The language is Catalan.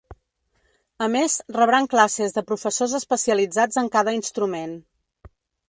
A més, rebran classes de professors especialitzats en cada instrument.